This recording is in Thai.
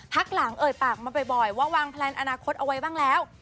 พักหลังเอ่ยปากมาบ่อยว่าวางแพลนอนาคตเอาไว้บ้างแล้ว